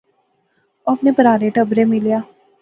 او اپنے پرھاریں ٹبریں ملیا